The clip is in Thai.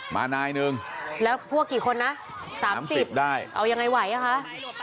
มานายหนึ่งแล้วพวกกี่คนนะ๓๐ได้เอายังไงไหวอ่ะคะ